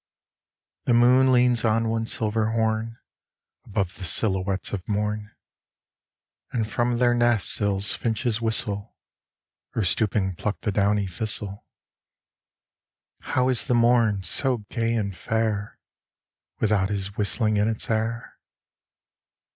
The moon leans on one silver horn Above the silhouettes of morn, And from their nest sills finches whistle Or stooping pluck the downy thistle. How is the morn so gay and fair Without his whistling in its air?